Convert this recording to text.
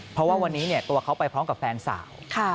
เพราะว่าวันนี้ตัวเขาไปพร้อมกับแฟนสาว